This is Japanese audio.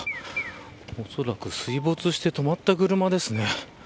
おそらく水没して止まった車ですね。